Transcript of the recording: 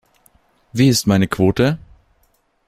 Wie ist meine Quote?